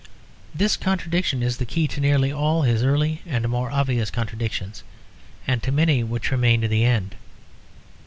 This contradiction is the key to nearly all his early and more obvious contradictions and to many which remain to the end.